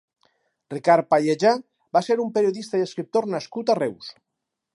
Ricard Pallejà va ser un periodista i escriptor nascut a Reus.